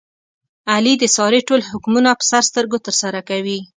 علي د سارې ټول حکمونه په سر سترګو ترسره کوي.